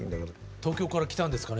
東京から来たんですかね？